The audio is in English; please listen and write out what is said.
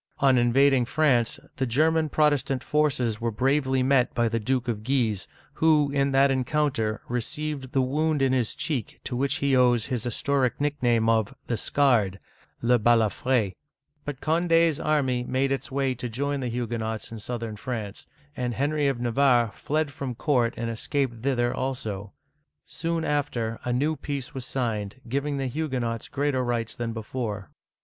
On invading France, the German Protestant forces were bravely met by the Duke of Guise, who, in that encounter, received the wound in his cheek to which he owes his historic nick name of " the Scarred " {le Balafr^), But Condi's army made its way to join the Huguenots in southern France ; and Henry of Navarre fled from court and escaped thither also. Soon after, a new peace was signed, giving the Huguenots greater rights than before.